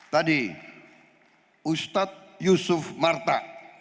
tadi ustadz yusuf marta